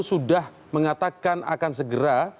sudah mengatakan akan segera